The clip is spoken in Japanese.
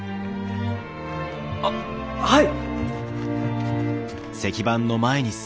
あっはい！